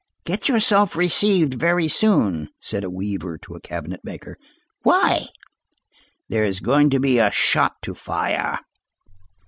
"Get yourself received very soon," said a weaver to a cabinet maker. "Why?" "There is going to be a shot to fire."